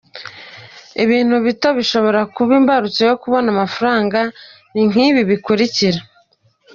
Ibintu bito bishobora kuba imbarutso yo kubona amafaranga ni nk’ibi bikurikira:.